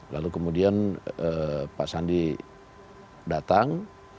lalu kemudian pak sandi datang